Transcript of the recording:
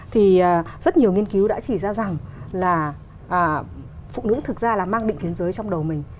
thì rất nhiều nghiên cứu đã chỉ ra rằng là phụ nữ thực ra là mang định kiến giới trong đầu mình